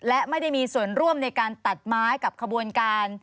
และไม่ได้มีส่วนร่วมในการตัดไม้กับขบวนการ